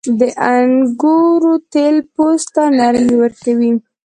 • د انګورو تېل پوست ته نرمي ورکوي.